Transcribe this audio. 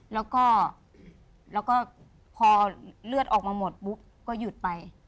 แล้วก็พอเลือดออกมาหมดปุ๊บก็หยุดไป